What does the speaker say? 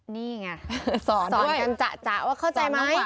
นี่ไงสอนกันจะว่าเข้าใจไหม